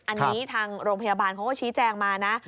อันนี้ทางโรงพยาบาลเขาก็ชี้แจงมานะ